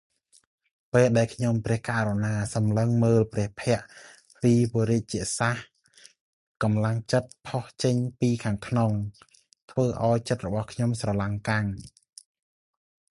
ពេលដែលខ្ញុំព្រះករុណាសម្លឹងមើលព្រះភក្ត្រពីវរជសាសន៍ កម្លាំងចិត្តផុសចេញពីខាងក្នុង ធ្វើឱ្យចិត្តរបស់ខ្ញុំស្រឡាំងកាំង។